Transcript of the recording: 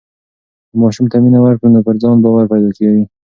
که ماشوم ته مینه ورکړو نو پر ځان باور پیدا کوي.